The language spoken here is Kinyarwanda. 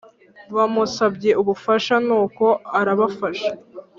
bamusabye ubufasha nuko arbafasha